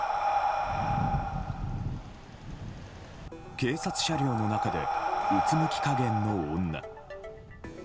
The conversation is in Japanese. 警察車両の中でうつむき加減の女。